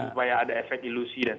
supaya ada efek ilusi dan sebagainya